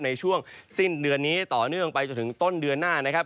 ในช่วงสิ้นเดือนนี้ต่อเนื่องไปจนถึงต้นเดือนหน้านะครับ